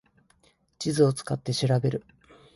地図を使って調べる